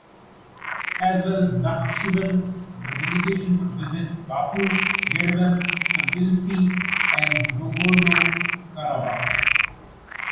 As well as Nakhchivan, the delegation would visit Baku, Yerevan, Tbilisi, and Nagorno Karabakh.